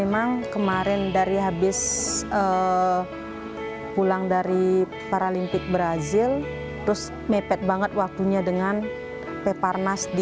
memang kemarin dari habis pulang dari paralimpik brazil terus mepet banget waktunya dengan peparnas di